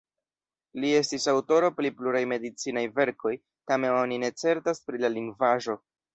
Li estis aŭtoro pri pluraj medicinaj verkoj, tamen oni ne certas pri la lingvaĵo.